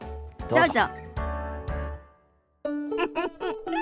どうぞ。